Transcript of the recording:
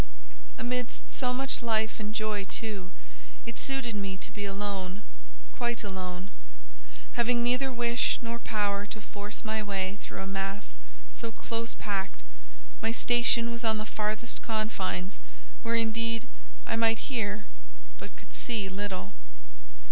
Amidst so much life and joy, too, it suited me to be alone—quite alone. Having neither wish nor power to force my way through a mass so close packed, my station was on the farthest confines, where, indeed, I might hear, but could see little.